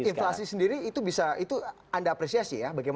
untuk inflasi sendiri itu bisa itu anda apresiasi ya bagaimana bisa menang